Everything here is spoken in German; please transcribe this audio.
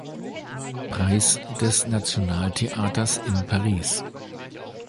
Preis des Nationaltheaters in Paris.